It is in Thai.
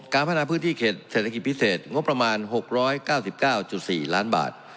พัฒนาพื้นที่เขตเศรษฐกิจพิเศษงบประมาณ๖๙๙๔ล้านบาท